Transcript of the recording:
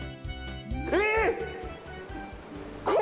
えっ？